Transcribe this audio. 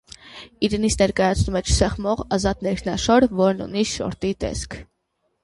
Իրենից ներկայացնում է չսեղմող, ազատ ներքնաշոր, որն ունի շորտի տեսք։